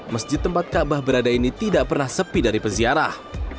masjid tempat kaabah berada ini tidak pernah sepi dari peziarah